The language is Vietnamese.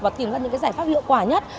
và tìm ra những giải pháp hiệu quả nhất